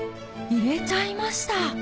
入れちゃいました